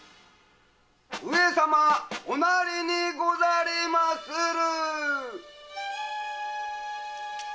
上様お成りにござりまする！